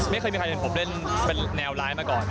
ไม่เคยมีใครเห็นผมเล่นเป็นแนวร้ายมาก่อน